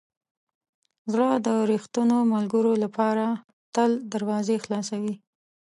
زړه د ریښتینو ملګرو لپاره تل دروازې خلاصوي.